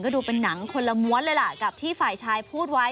ดูเป็นหนังคนละม้วนเลยล่ะกับที่ฝ่ายชายพูดไว้